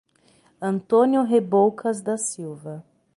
Antônio Reboucas da Silva